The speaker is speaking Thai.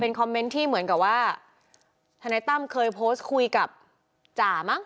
คอมเมนต์ที่เหมือนกับว่าธนายตั้มเคยโพสต์คุยกับจ่ามั้ง